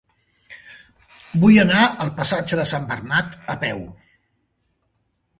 Vull anar al passatge de Sant Bernat a peu.